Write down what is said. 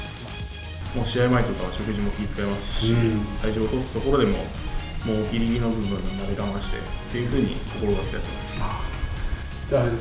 試合前とかは食事も気を遣いますし、体重を落とすところでも、もうぎりぎりの部分まで我慢してというふうに、心がけてやっています。